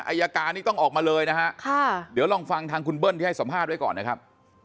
อายการนี้ต้องออกมาเลยนะฮะค่ะเดี๋ยวลองฟังทางคุณเบิ้ลที่ให้สัมภาษณ์ไว้ก่อนนะครับ